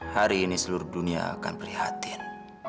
hari ini seluruh dunia akan prihatin